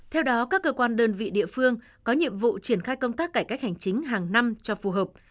theo đó các cơ quan đơn vị địa phương có nhiệm vụ triển khai công tác cải cách hành chính hàng năm cho phù hợp